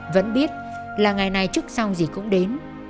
vẫn biết là ngày này trước sau gì cũng đến